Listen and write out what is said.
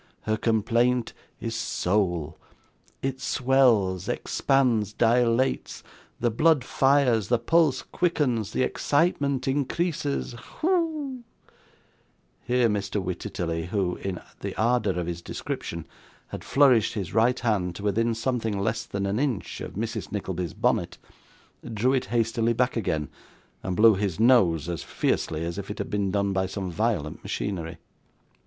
Her complaint is soul. It swells, expands, dilates the blood fires, the pulse quickens, the excitement increases Whew!"' Here Mr. Wititterly, who, in the ardour of his description, had flourished his right hand to within something less than an inch of Mrs. Nickleby's bonnet, drew it hastily back again, and blew his nose as fiercely as if it had been done by some violent machinery.